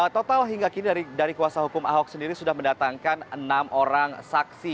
total hingga kini dari kuasa hukum ahok sendiri sudah mendatangkan enam orang saksi